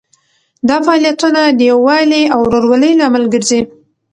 دا فعالیتونه د یووالي او ورورولۍ لامل ګرځي.